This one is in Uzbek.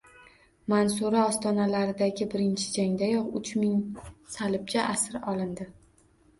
Mansura ostonalaridagi birinchi jangdayoq uch ming salibchi asir olindi